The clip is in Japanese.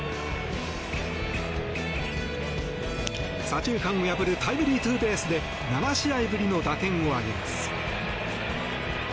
左中間を破るタイムリーツーベースで７試合ぶりの打点を挙げます。